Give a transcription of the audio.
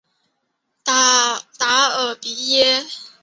达尔比耶。